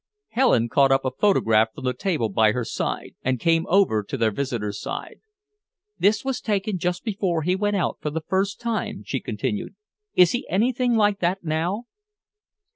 Helen caught up a photograph from the table by her side, and came over to their visitor's side. "This was taken just before he went out the first time," she continued. "Is he anything like that now?"